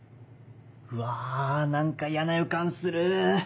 うわ何か嫌な予感する。